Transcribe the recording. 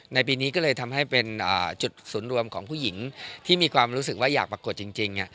ในปีนี้ก็เลยทำให้เป็นจุดศูนย์รวมของผู้หญิงที่มีความรู้สึกว่าอยากปรากฏจริง